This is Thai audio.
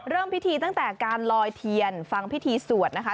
เริ่มพิธีตั้งแต่การลอยเทียนฟังพิธีสวดนะคะ